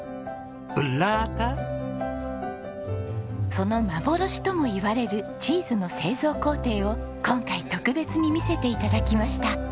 その幻ともいわれるチーズの製造工程を今回特別に見せて頂きました。